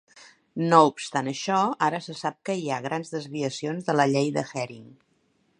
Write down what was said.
No obstant això, ara se sap que hi ha grans desviacions de la llei de Hering.